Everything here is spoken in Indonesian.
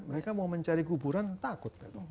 mereka mau mencari kuburan takut